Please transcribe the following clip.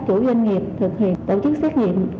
chủ doanh nghiệp thực hiện tổ chức xét nghiệm